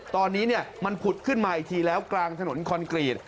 ตอนนี้มันผุดขึ้นมาอีกทีแล้วกลางถนนคอนกรีต